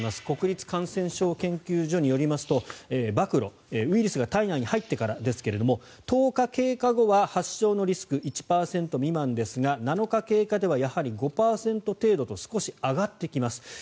国立感染症研究所によりますと暴露、ウイルスが体内に入ってからですが１０日経過後は発症のリスク１％未満ですが７日経過ではやはり５％程度と少し上がってきます。